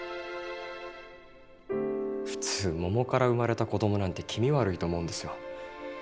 普通桃から生まれた子供なんて気味悪いと思うんですよ。